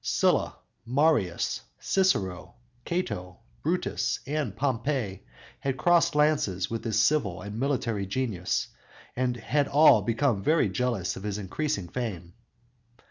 Sylla, Marius, Cicero, Cato, Brutus and Pompey had crossed lances with this civil and military genius, and had all become very jealous of his increasing fame.